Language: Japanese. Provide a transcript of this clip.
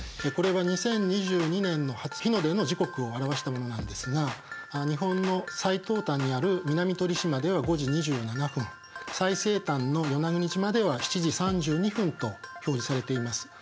これは２０２２年の初日の出の時刻を表したものなんですが日本の最東端にある南鳥島では５時２７分最西端の与那国島では７時３２分と表示されています。